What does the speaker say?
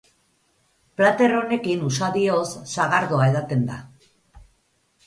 Plater honekin usadioz sagardoa edaten da.